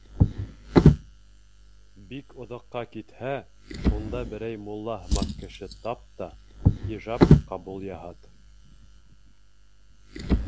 Бик оҙаҡҡа китһә, шунда берәй мулла һымаҡ кеше тап та, ижап ҡабул яһат.